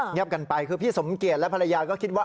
เงียบกันไปคือพี่สมเกียจและภรรยาก็คิดว่า